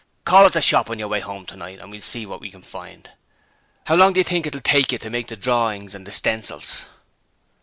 'Call at the shop on your way home tonight, and we'll see what we can find. 'Ow long do you think it'll take you to make the drorins and the stencils?'